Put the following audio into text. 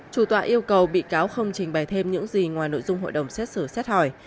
chủ tọa yêu cầu bị cáo không trình bày thêm những gì ngoài nội dung hội đồng xét xử xét hỏi